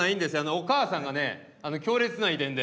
お母さんがね強烈な遺伝で。